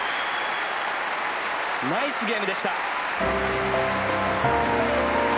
ナイスゲームでした。